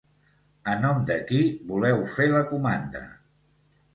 A nom de qui voleu fer la comanda?